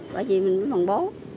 bởi vì mình bằng bố